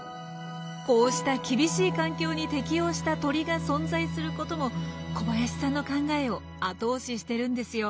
こうした厳しい環境に適応した鳥が存在することも小林さんの考えを後押ししてるんですよ。